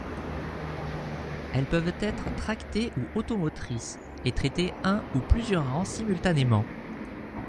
Elles peuvent être tractées ou automotrices et traiter un ou plusieurs rangs simultanément.